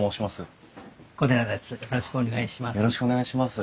よろしくお願いします。